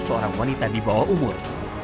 seorang wanita di bawah umur